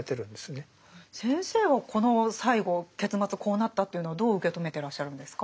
先生はこの最後結末こうなったっていうのはどう受け止めてらっしゃるんですか？